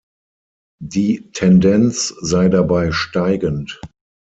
Die Tendenz sei dabei steigend.